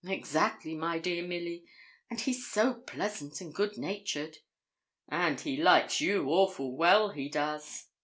'Exactly, my dear Milly; and he's so pleasant and good natured.' 'And he likes you awful well, he does.'